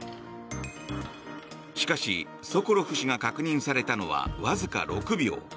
しかしソコロフ氏が確認されたのはわずか６秒。